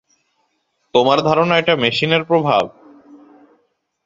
তোমার ধারণা এটা মেশিনের প্রভাব?